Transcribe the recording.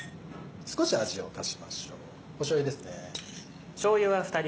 少し味を足しましょうしょうゆですね。